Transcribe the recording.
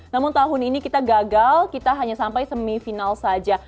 namun tahun ini kita gagal kita hanya sampai semifinal saja